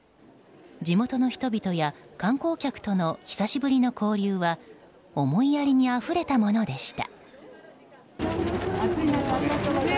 地元の人々や観光客との久しぶりの交流は思いやりにあふれたものでした。